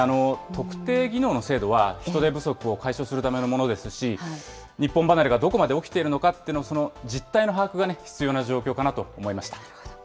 特定技能の制度は人手不足を解消するためのものですし、日本離れがどこまで起きているのかっていうのは、その実態の把握が必要な状況かなと思いました。